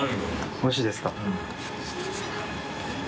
おいしいですか？